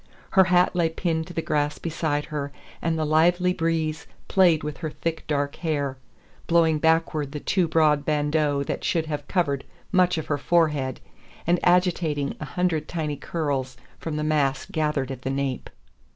Her hat lay pinned to the grass beside her, and the lively breeze played with her thick dark hair, blowing backward the two broad bandeaux that should have covered much of her forehead, and agitating a hundred tiny curls from the mass gathered at the nape.